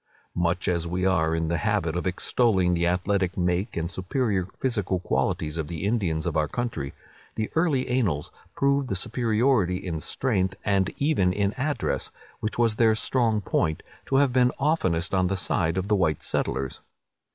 Much as we are in the habit of extolling the athletic make and superior physical qualities of the Indians of our country, the early annals prove the superiority in strength, and even in address, which was their strong point, to have been oftenest on the side of the white settlers.